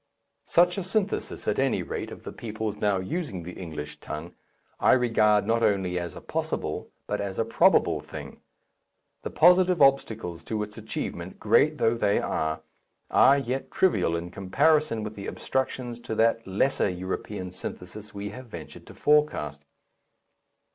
Such a synthesis, at any rate, of the peoples now using the English tongue, I regard not only as a possible, but as a probable, thing. The positive obstacles to its achievement, great though they are, are yet trivial in comparison with the obstructions to that lesser European synthesis we have ventured to forecast.